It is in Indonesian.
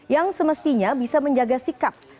yang semestinya bisa menjaga sikap